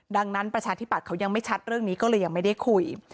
ดังนั้นประชาธิบัตย์เขายังไม่ชัดเรื่องนี้ก็เลยยังไม่ได้คุย